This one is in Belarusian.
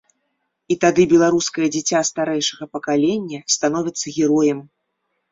І тады беларускае дзіця старэйшага пакалення становіцца героем.